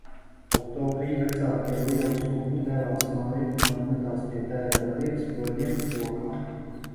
Oktobrī vecāki ar lielu skubu devās mājup un apmetās pie tēva radiem Sproģiem Slokā.